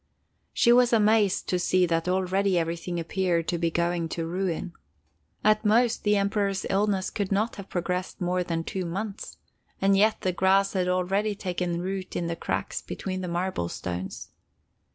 She was amazed to see that already everything appeared to be going to ruin. At most, the Emperor's illness could not have progressed more than two months, and yet the grass had already taken root in the cracks between the marble stones.